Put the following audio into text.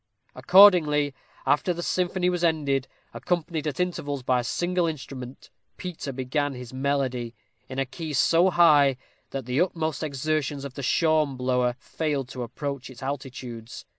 Accordingly, after the symphony was ended, accompanied at intervals by a single instrument, Peter began his melody, in a key so high, that the utmost exertions of the shawm blower failed to approach its altitudes.